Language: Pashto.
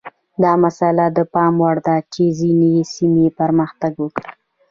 دا مسئله د پام وړ ده چې ځینې سیمې پرمختګ وکړي.